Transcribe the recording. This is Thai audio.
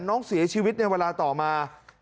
น้องเสียชีวิตในเวลาต่อมา